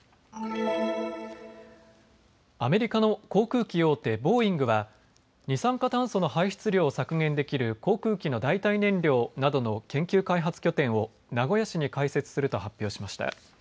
アメリカの航空機大手、ボーイングは二酸化炭素の排出量を削減できる航空機の代替燃料などの研究開発拠点を名古屋市に開設すると発表しました。